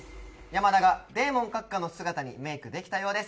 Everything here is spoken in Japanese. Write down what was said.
山田がデーモン閣下の姿にメイクできたようです。